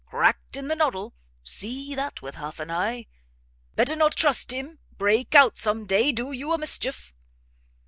cracked in the noddle; see that with half an eye! better not trust him! break out some day: do you a mischief!"